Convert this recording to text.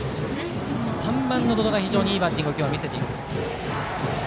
３番の百々が非常にいいバッティングを今日、見せています。